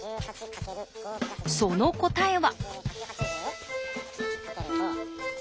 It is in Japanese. その答えは。